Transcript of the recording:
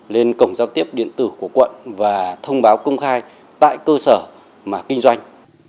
lên cổng giao tiếp điện tử của quận và thông báo công khai tại cơ sở mà kinh doanh